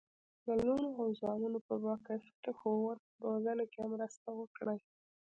د لوڼو او زامنو په باکیفیته ښوونه او روزنه کې مرسته وکړي.